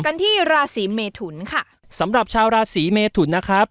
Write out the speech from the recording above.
กันที่ราศีเมทุนค่ะสำหรับชาวราศีเมทุนนะครับ